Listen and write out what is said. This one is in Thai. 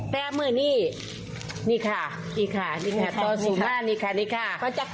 แปลว่าเมื่อนี้นี่ค่ะนี่ค่ะ